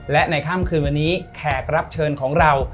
และในค่ำคืนวันนี้แขกรับเชิญของเรา